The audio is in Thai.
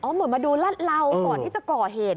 เหมือนมาดูรัดเหลาก่อนที่จะก่อเหตุ